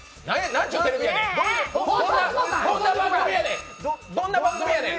なんちゅうテレビやねん。